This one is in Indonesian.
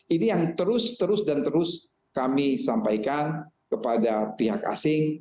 ini yang terus terus dan terus kami sampaikan kepada pihak asing